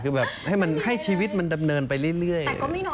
คือแบบให้ชีวิตมันดำเนินไปเรื่อย